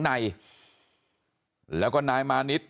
บอกแล้วบอกแล้วบอกแล้ว